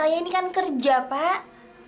saya ini kan kerja pak